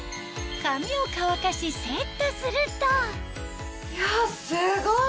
髪を乾かしセットするとすごい！